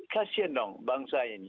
kasian dong bangsa ini